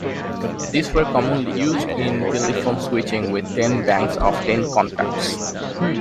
These were commonly used in telephone switching with ten banks of ten contacts.